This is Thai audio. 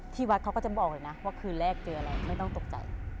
วัดเขาก็จะบอกเลยนะว่าคืนแรกเจออะไรไม่ต้องตกใจ